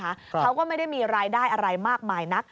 เขาก็ไม่ได้มีรายได้อะไรมากมายนัก